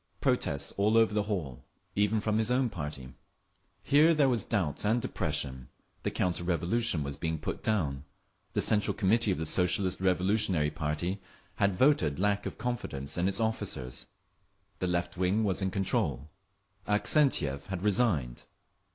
Protests all over the hall, even from his own party. Here there was doubt and depression. The counter revolution was being put down. The Central Committee of the Socialist Revolutionary party had voted lack of confidence in its officers; the left wing was in control; Avksentiev had resigned.